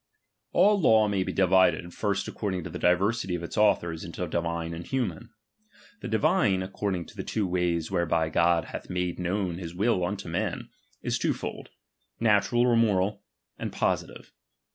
All law maybe divided, first according to the ii] diversity of its authors into divine and human. ^ The divine, according to the two ways whereby g God hath made known his will unto men, is two "■ fold ; natural or moral, and positive.